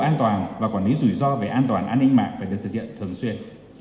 để tổ chức lực lượng an toàn và quản lý rủi ro về an toàn an ninh mạng phải được thực hiện thường xuyên